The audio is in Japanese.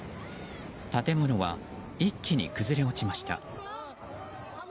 建物は一気に崩れ落ちました。